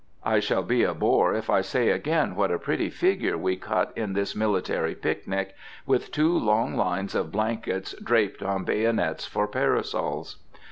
I shall be a bore, if I say again what a pretty figure we cut in this military picnic, with two long lines of blankets draped on bayonets for parasols.